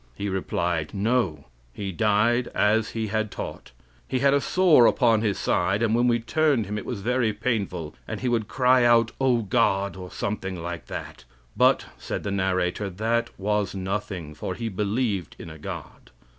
He replied: No; he died as he had taught. He had a sore upon his side, and when we turned him it was very painful, and he would cry out, 'O God!' or something like that. 'But,' said the narrator, 'that was nothing, for he believed in a God.'